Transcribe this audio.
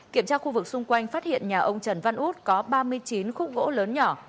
kiểm tra khu vực xung quanh phát hiện nhà ông trần văn út có ba mươi chín khúc gỗ lớn nhỏ